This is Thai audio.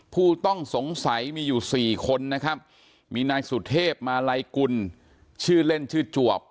ผู้ต้องสงสัยมีอยู่๔คนนะครับมีนายสุเทพมาลัยกุลชื่อเล่นชื่อจวบ